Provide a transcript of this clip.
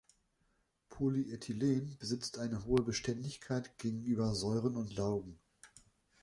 Polyethylen besitzt eine hohe Beständigkeit gegenüber Säuren und Laugen.